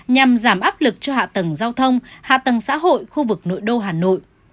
nhằm giảm áp lực cho hạ tầng giao thông hạ tầng xã hội khu vực nội đô hà nội